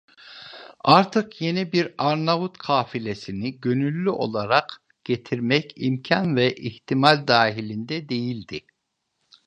Artık yeni bir Arnavut kafilesini gönüllü olarak getirmek imkân ve ihtimal dahilinde değildi.